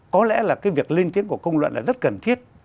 có lẽ là cái việc lên tiếng của công luận là rất cần thiết